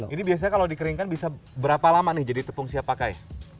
ini biasanya kalau dikeringkan bisa berapa lama nih jadi tepung siap pakai